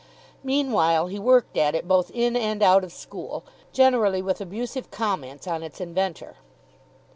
Meanwhile, he worked at it both in and out of school, generally with abusive comments on its inventor.